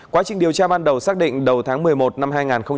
quá trình điều tra ban đầu xác định đầu tháng một mươi một năm hai nghìn hai mươi